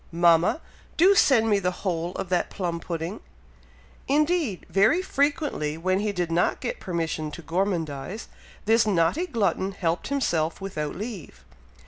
Mama! do send me the whole of that plum pudding!" Indeed, very frequently when he did not get permission to gormandize, this naughty glutton helped himself without leave.